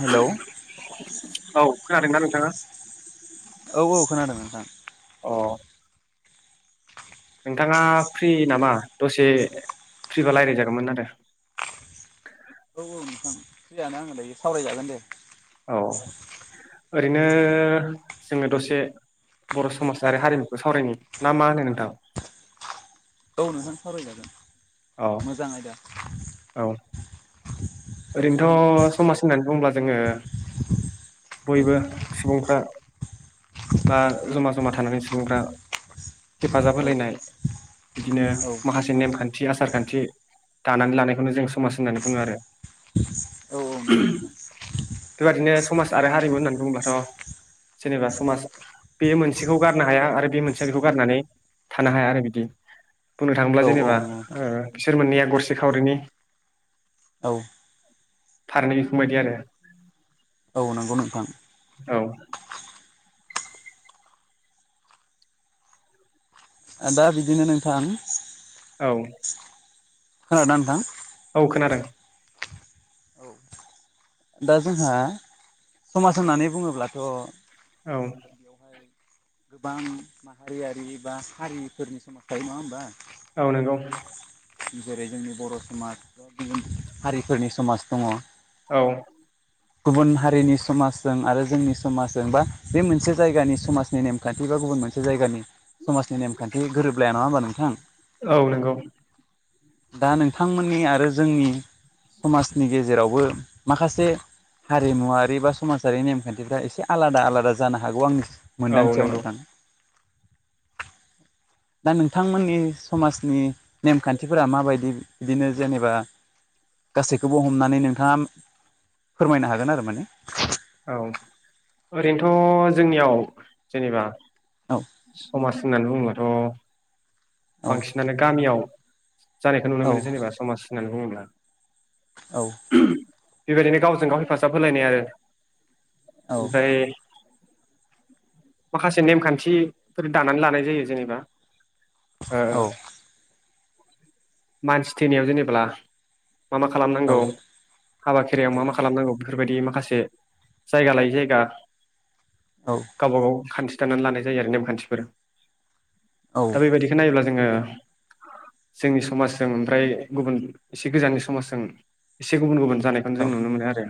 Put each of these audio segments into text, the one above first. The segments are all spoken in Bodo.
हेलौ औ खोनादों ना नोंथाङा औ औ खोनादों नोंथां अ नोंथाङा फ्रि नामा दसे फ्रिबा रायज्लायजागौमोन आरो औ औ नोंथां फ्रियानो आङो दायो सावरायजागोन दे औ ओरैनो जोङो दसे बर' समाजारि हारिमुखौ सावरायनो ना मा होनो नोंथां औ नोंहां औ सावरायजागोन मोजाङ आयदा औ ओरैनोथ' समाज होननानै बुङोब्ला जोङो औ बयबो सुबुंफ्रा बा जमा जमा थानानै सुबुंफ हेफाजाब औ होलायनाय बिदिनो औ माखासे नेमखान्थि आसार खान्थि दानानै लानायखौनो जों समाज होननानै बुङो आरो औ औ नंगौ न बेबाददिनो समाज आरो हारिमोन होननानै बुङो बाथ' जेनेबा समाज बे मोनसेखौ गारनो हाया आरो बे मोनसेया बेखौ गारनानै थानो हाया आरो बिदि बुंनो औ थाङोब्ला औ जेनेबा नंगौ नोंथां ऐ बिसोर मोननैया गरसे खावरिनि औ फारनै बिखुंबायदि आरो औ नंगौ नोंथां। औ। दा बिदिनो नोंथान। औ। खोनादोना नोंथां? औ खोनादों। औ दा जोंहा समाज होननानै बुङोब्लाथ' औ। बेवहाय गोबां माहारियारि बा हारिफोरनि समाज थायो नङा होमबा? औ नोंगौ। जेरै जोंनि बर समाज गुबुन हारिफोरनि समाज दङ। औ। गुबुन हारिनि समाजजों आरो जोंनि समाजजों बा बे मोनसे जायगानि समाजनि नेम नेमखान्थि बा गुबुन मोनसे जायगानि समाजनि नेमखान्थि गोरोबलाया नङा होमबा नोंथां? औ नंगौ। दा नोंथांमोननि आरो जोंनि समाजनि गेजेरावबो माखासे हारिमुवारि बा समाजारि नेमखान्थिफ्रा एसे आलादा आलादा जानो हागौ आंनि औ मोनदांथियाव नंगौ नोंथां। दा नोंथांमोननि समाजनि नेमखान्थिफोरा माबायदि बिदिनो जेनेबा गासैखौबो हमनानै नोंथाङा फोरमायनो हागोन आरो माने औ ओरैनोथ' जोंनियाव जेनेबा समाज होननानै बुङोबाथ' औ बांसिनानो गामियाव जानायखौ नुनो औ मोनो जेनेबा समाज होननानै बुङोब्ला औ। बेबायदिनो गावजों गाव हेफाजाब होलायनाय आरो ओमफ्राय माखासे नेमखान्थिफोर दानानै लानाय जायो जेनेबा ओ औ। मानसि थैनायाव जेनेब्ला मा मा खालामनांगौ औ हाबा खेरायाव मा मा खालामनांगौ? बेफोरबायदि माखासे जायगा लायै जायगा औ गावबा गाव खान्थि खानानै लानाय जायो आरो नेम खान्थिफोर औ दा बेबायदिखौ नायोब्ला जोङो जोंनि सो समाजजों ओमफ्राय गुबुन एसे गोजाननि समाजजों एसे गुबुन गुबुन जानायखौनो औ जों नुनो मोनो आरो।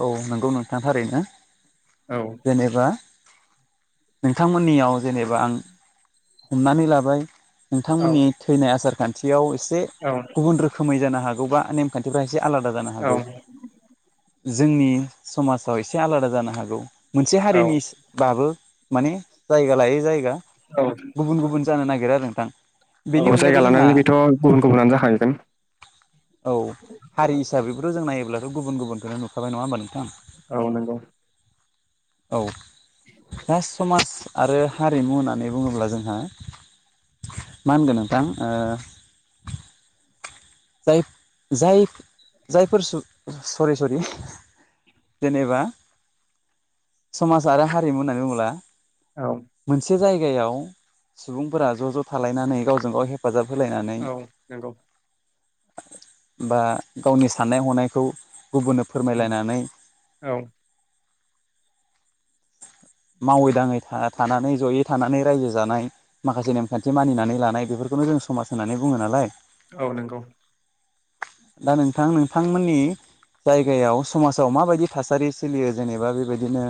औ नंगौ नोंथां थारैनो औ जेनेबा नोंथांमोननियाव जेनेबा आं हमनानै लाबाय औ नोंथांमोननि थैनाय आसार खान्थियाव एसे गुबुन रोखोमै जानो हागौबा नेमखान्थिफोरा एसे एसे आलादा जानो औ हागौ जोंनि समाजाव एसे आलादा जानो हागौ। मोनसे औ हारिनि बाबो माने जायगा लायै जायगा औ गुबुन गुबुन जानो नागिरो आरो नोंथां। बेनि औ अनगायैबो जायगा जोंहा लानानै बेथ गुबुन गुबुनानो जाखाहैगोन औ हारि हिसाबैबोथ'जों नायोब्लाथ गुबुन गुबुनखौनो नुखाबाय नङा होमबा नोंथां। औ नोंगौ। औ जा समाज आरो हारिमु होननानै बुङोब्ला जोंहा मा होनगोन नोंथां ओ जाय जाय जायफोर सु सरि सरि जेनेबा समाज आरो हारिमु होननानै बुङोब्ला औ मोनसे जायगायाव सुबुंफोरा ज' ज' थालायनानै गावजों गाव हेफाजाब होलायनानै औ नंगौ। बा गावनि साननाय हनायखौ गुबुननो फोरमायलायनानै औ मावै दाङै थानानै जयै थानानै रायजो जानाय माखासे नेमखान्थि मानिनानै लानाय बेफोरखौ खौनो जों समाज होननानै बुङो नालाय औ नंगौ। दा नोंथां नोंथांमोननि जायगायाव समाजाव माबायदि थासारि सोलियो जेनेबा बेबायदिनो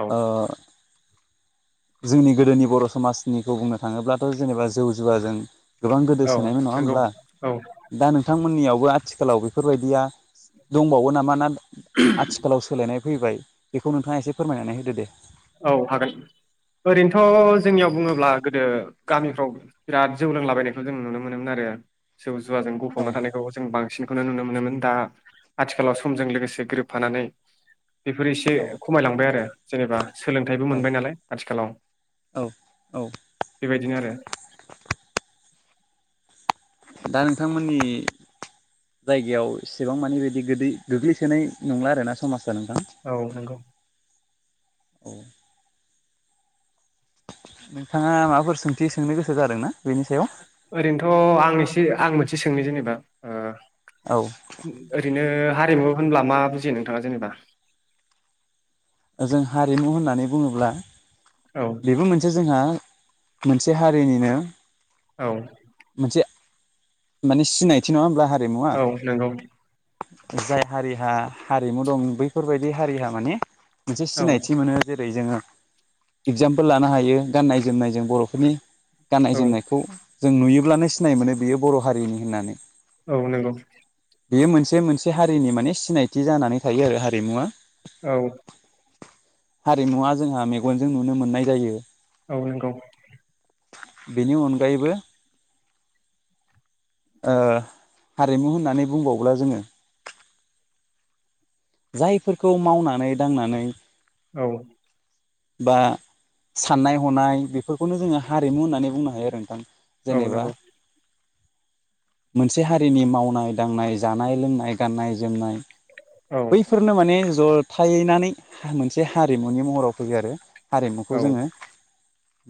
औ ओ जोंनि गोदोनि बर' समाजनिखौ बुंनो थाङोब्लाथ' जेनेबा जौ जुवाजों गोबां औ गोदोसोनायमोन नङा नंगौ होमब्ला। औ दा नोंथांमोननियाव आथिखालाव बेफोरबायदिया दंबावो नामा ना आथिखालाव सोलायनाय फैबाय बेखौ नोंथाङा एसे फोरमायनानै होदो । औ हागोन ओरैनोथ' जोंनियाव बुङोब्ला गोदो गामिफ्राव बिराद जौ लोंलाबायनायखौ जों नुनो मोनोमोन आरो । जौ जुवाजों औ गफबना थानायखौ जों बांसिनखौनो नुनो मोनो । दा आथिखालाव समजों लोगोसे गोरोबफानानै बेफोर एसे औ खमायलांबाय आरो जेनेबा सोलोंथाइबो औ मोनबाय नालाय आथिखालाव औ औ । बेबायदिनो आरो । दा नोंथांमोननि जायगायाव एसेबां मानि बिदि गोदै गोग्लैसोनाय नंला आरोना समाजआ नोंथां । औ नंगौ [inaudible] नोंथाङा माबाफोर सोंथि सोंनो गोसो जादों ना? ओरैनोथ' आं एसे आं मोनसे सोंनि जेनेबा ओ औ ओरैनो हारिमु होनब्ला मा बुजियो नोंथाङा जेनेबा? जों हारिमु होननानै बुङोब्ला औ बेबो मोनसे जोंहा मोनसे हारिनिनो औ मोनसे माने सिनायथि नङा होमब्ला हारिमुवा औ नंगौ । जाय हारिहा हारिमु दं बैफोरबायदि हारिहा माने मोनसे औ सिनायथि मोनो जे जोङो इगजामपोल लानो हायो गाननाय जोमनाय जों बर'फोरनि औ गाननाय जोमनायखौ जों नुयोब्लानो सिनाय मोनो बेयो बर' हारिनि होननानै । औ नंगौ बेयो मोनसे मोनसे हारिनि माने सिनायथि जानानै थायो आरो हारिमुआ औ हारिमुआ जोंहा मेगनजों नुनो मोननाय जायो । औ नंगौ बेनि अनगायैबो ओ हारिमु होननानै बुंबावब्ला जोङो जायफोरखौ मावनानै दांनानै औ बा साननाय हनाय बेफोरखौनो जोङो हारिमु होननानै बुंनो हायो आरो नोंथां । औ नंगौ। मोनसे हारिनि मावनाय दांनाय जानाय लोंनाय गाननाय जोमनाय औ बैफोरनो माने जथायैनानै मोनसे हारिमुनि महराव फैयो आरो हारिमुखौ औ जोङो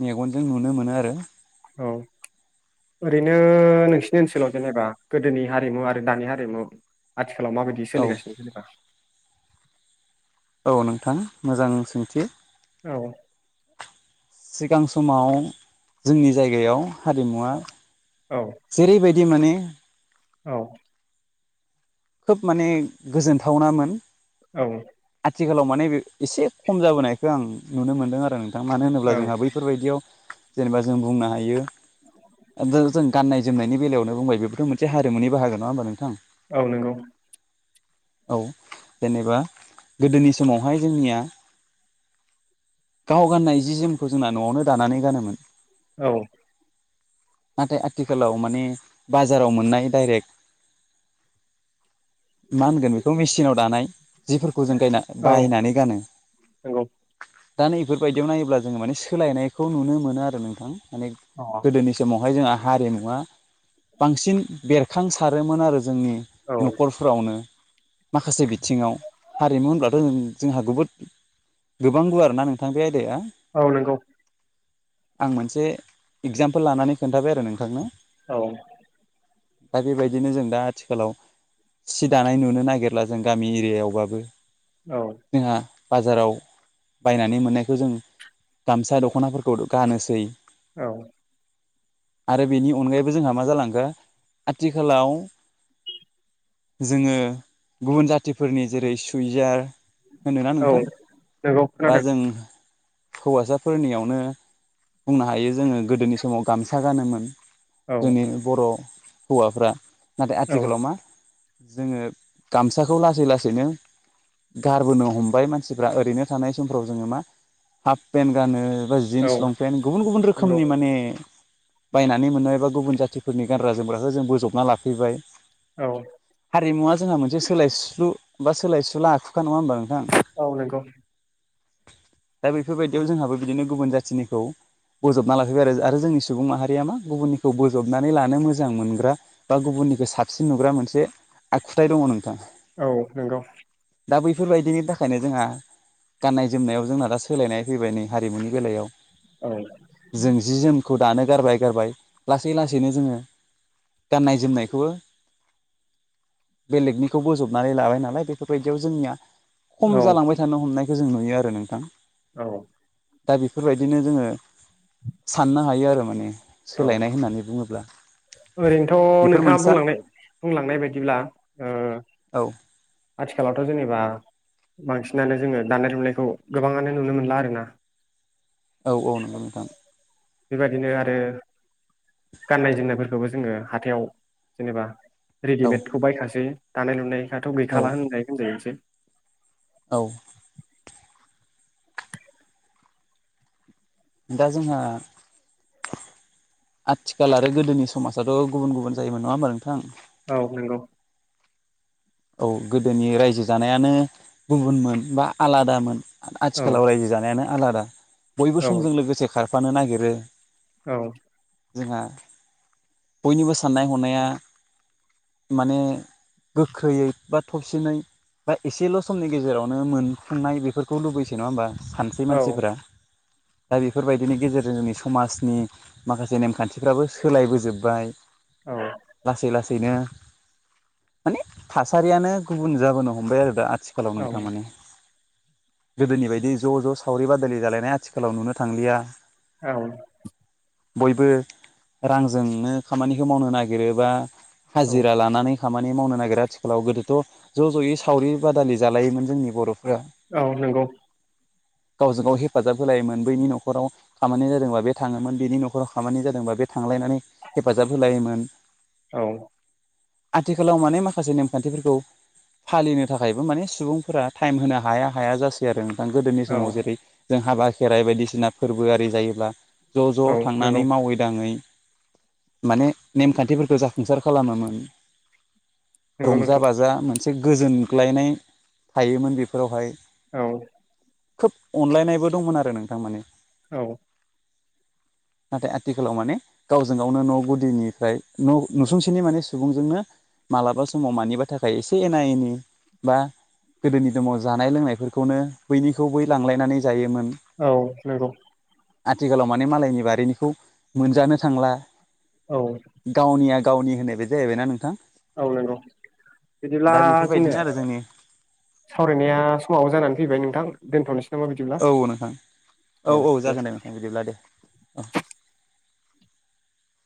मेगनजों नुनो मोनो आरो औ ओरैनो नोंसिनि ओनसोलाव जेनेबा गोदोनि हारिमु आरो दानि हारिमु आथिखालाव माबायदि औ सोलिगासिनो जेनेबा? औ नोंथां मोजां सोंथि। औ सिगां समाव जोंनि जायगायाव हारिमुवा औ जेरैबायदि माने औ खोब माने गोजोनथावनामोन। औ आथिखालाव माने बे एसे खम जाबोनायखौ आं नुनो मोनदों आरो मानो होनोब्ला ओं जोंहा बैफोरबायायदियाव जेनेबा जों बुंनो हायो जों गाननाय जोमनायनि बेलायावनो बुंबाय बेबो' मोन हमुनि बाहागो नङा होनबा नोंथां। औ नंगौ। औ जेनेबा गोदोनि समावहाय जोंनिया गाव गाननाय जि जोमखौ जोंना न'आवनो दानानै गानोमोन। औ नाथाय आथिखालाव माने बाजाराव मोननाय डाइरेक्ट [inaudible] मा होनगोन बेखौ मेचिनाव दानाय जिफोरखौ जों गायना औ बायनानै गानो। नंगौ। दा नै बेफोरबायदियाव नायोब्ला जोङो माने सोलायनायखौ नुनो मोनो आरो नोंथां। मानि अ गोदोनि समावहाय जोंहा हारिमुवा बांसिन बेरखां सारोमोन आरो जोंनि औ न'खरफोरावनो माखासे बिथिङाव हारिमु होनब्लाथ' जोंहा बहुत गोबां गुवार ना नोंथां बे आयदाया औ नंगौ। आं मोनसे इगजामपोल लानानै खोन्थाबाय आरो नोंथांनो औ दा बेबायदिनो जों दा आथिखालाव सि दानाय नुनो नागिरला जों गामि एरियायावबाबो औ जोंहा बाजाराव बायनानै मोननायखौ जों गामसा दख'नाफोरखौ गानोसै। औ आरो बेनि अनगायैबो जोंहा मा जालो आथिखालाव जोङो गुबुन जातफोरनि जेरै सुइजार होनोना औ नोंथां नंगौ बा खोनादों जों हौवासाफोरनियावनो बुंनो हायो जोङो गोदोनि समाव गामसा गानोमोन। औ जोंनि बर' हौवाफ्रा नाथाय औ आथिखालाव मा जोङो गामसाखौ लासै लासैनो गारबोनो हमबाय मानसिफ्रा ओरैनो थानाय समफ्राव जोङो मा हाफ पेन्ट गानो। एा औ जिन्स लंपेन्ट गुबुन गुबुन नंगौ रोखोमनि माने बायनानै मोनबायबा गुबुन जाथिफोरनि गानग्रा जोमग्राखौ जों बोजबना लाफैबाय। औ हारिमुवा जोंहा मोनसे सोलायस्लु बा सोलायसुला आखुखा नङा होनबा? औ नंगौ। दा बेफोरबायदियाव जोंहाबो बिदिनो गुबुन जाथिनिखौ बजबना लाफैबाय आरो आरो जोंनि सुबुं माहारिया मा गुबुननिखौ बजबनानै लानो मोजां मोनग्रा बा गुबुन निखौ साबसिन नुग्रा मोनसे औ नोंगौ दा बैफोरबायदिनि थाखायनो जोंहा औ [inaudible] खौ दानो गारबाय गारबाय लासै लासैनो जोङो गाननाय जोमनायखौबो बेलेगनिखौ बोजबनानै लाबाय नालाय बेफोरबायदियाव जोंनिया खम औ जालांबाय थानो हमनाय। बेखौ जों नुयो आरो नोंथां। औ दा बेफोरबायदिनो जोङो साननो हायो आरो माने औ सोलायनाय होननानै बुङोब्ला। ओरैनोथ' बेफोर नोंथाङा मोनसा बुंलांनाय बुंलां नाय बायदिब्ला ओं औ आथिखालावथ' जेनेबा- बांसिनानो जोङो दानाय लुनायखौ गोबाङानो नुनो मोनला आरोना । औ औ नंगौ नोंथां । बेबायदिनो आरो गाननाय जोमनायफोरखौबो जोङो हाथायाव जेनेबा औ रेडिमेडखौ बायखासै दानाय लुनायफ्राथ' औ गैखाला होननाय होनजायोसै । औ । दा जोंहा आथिखाल आरो गोदोनि समाजाथ' गुबुन गुबुन जायोमोन नङा होमबा नोंथां? औ नोंगौ । औ गोदोनि रायजो जानायानो गुबुनमोन बा आलादामोन । औ आ-आथिखालाव रायजो जानायानो आलादा बयबो औ समजों लोगोसे खारफानो नागिरो । औ । जोंहा बयनिबो साननाय हनाया माने गोख्रैयै बा थबसिनै बा एसेल' समनि गेजेरावनो मोनफुंनाय बेफोरखौ लुबैसै नङा होमबा? सानसै औ मानसिफोरा दा बेफोरबायदिनि गेजेरजों जोंनि समाजनि माखासे नेमखान्थिफ्राबो सोलाय बोजोब्बाय । लासै लासैनो माने थासारियानो गुबुन जाबोनो हमबाय आरो दा आथिखालाव औ नोंथां माने गोदोनि बायदि ज' ज' सावरि बादालि जालायनाय आथिखालाव नुनो थांलिया । औ । बयबो रांजोंनो खामानिखौ मावनो नागिरोबा औ हाजिरा लानानै खामानि मावनो नागिरो आथिखालाव, गोदोथ' ज' ज'यै सावरि बादालि जालायोमोन जोंनि बर' औ नोंगौ । [inaudible] गावजों गाव हेफाजाब होलायोमोन बैनि न'खराव खामानि जादोंबा बे थाङोमोन बेनि न'खराव खामानि जादोंबा बे थांलाय नानै हेफाजाब होलायोमोन । औ । आथिखालाव माने माखासे नेम खान्थिफोरखौ फालिनो थाखायबो माने सुबुंफोरा टाइम होनो हाया हाया जासै आरो । गोदोनि औ समाव जेरै जों हाबा खेराइ बायदिसिना फोरबो आरि जायोब्ला ज' ज' औ नंगौ थांनानै मावै दाङै माने नेमखान्थिफोरखौ जाफुंसार खालामोमोन । नंगौ रंजा नोंथां बाजा मोनसे गोजोनग्लायनाय थायोमोन बेफोरावहाय । औ । खोब अनलायनायबो दंमोन आरो नोंथां माने औ । [inaudible] नाथाय आथिखालाव माने गावजों गावनो न' गुदिनिफ्राय न' न'सुंसेनि माने सुबुंजोंनो मालाबा समाव मानिबा थाखाय एसे एना एनि बा गोदोनि दङ जानाय लोंनायफोरखौनो बैनिखौ बै लांलायनानै जायोमोन । औ नंगौ । आथिखालाव माने मालायनि बारिनिखौ मोनजानो थांला औ गावनिया गावनि होनाय बे जाहैबायना नोंथां । औ नोंगौ बिदिब्ला जोंनिया बेफोरबायदिनो आरो जोंनि सावरायनाया समावबो जानानै फैबाय नोंथां दोनथ'नोस औ नोंथां औ औ जागोन दे नोंथां बिदिब्ला दे । अ ।